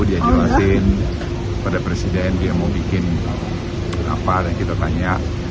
dia jelasin pada presiden dia mau bikin apa dan kita tanya